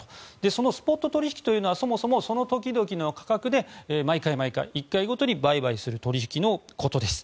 そのスポット取引というのはそもそも、その時々の価格で毎回毎回１回ごとに売買する取引のことです。